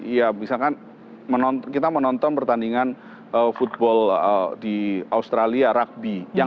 ya misalkan kita menonton pertandingan football di australia rugby